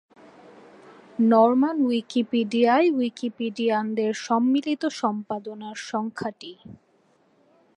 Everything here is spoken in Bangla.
নরমান উইকিপিডিয়ায় উইকিপিডিয়ানদের সম্মিলিত সম্পাদনার সংখ্যা টি।